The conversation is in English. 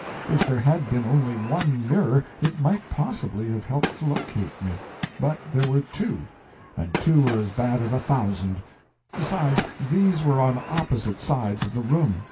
If there had been only one mirror, it might possibly have helped to locate me; but there were two, and two were as bad as a thousand; besides, these were on opposite sides of the room.